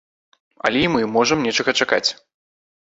Але і мы можам нечага чакаць.